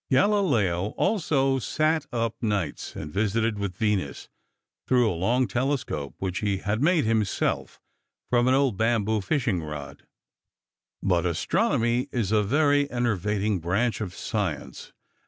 Galileo also sat up nights and visited with Venus through a long telescope which he had made himself from an old bamboo fishing rod. But astronomy is a very enervating branch of science.